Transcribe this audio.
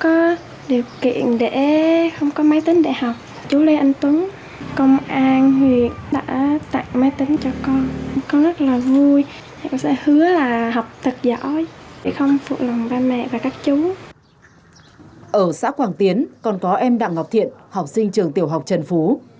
ở xã quảng tiến còn có em đặng ngọc thiện học sinh trường tiểu học trần phú